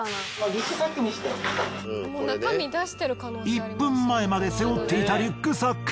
１分前まで背負っていたリュックサック。